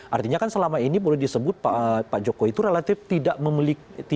artinya kan selama ini boleh disebut pak jokowi itu relatif tidak memiliki